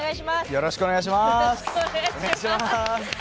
よろしくお願いします。